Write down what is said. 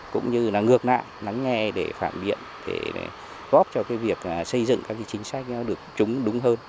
cũng như là ngược lại nắng nghe để phản biện để góp cho việc xây dựng các chính sách được chúng đúng hơn